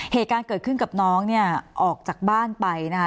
เหตุการณ์เกิดขึ้นกับน้องเนี่ยออกจากบ้านไปนะคะ